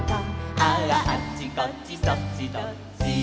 「あぁあっちこっちそっちどっち」